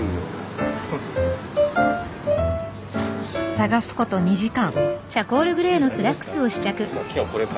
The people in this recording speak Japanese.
探すこと２時間。